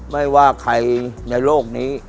ไม่ว่าใครในโลกนี้